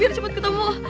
biar cepat ketemu